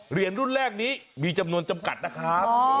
รุ่นแรกนี้มีจำนวนจำกัดนะครับ